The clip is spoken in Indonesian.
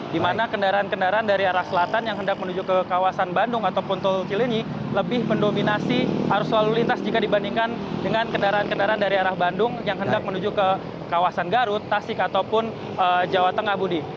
di mana kendaraan kendaraan dari arah selatan yang hendak menuju ke kawasan bandung ataupun tol cilenyi lebih mendominasi arus lalu lintas jika dibandingkan dengan kendaraan kendaraan dari arah bandung yang hendak menuju ke kawasan garut tasik ataupun jawa tengah budi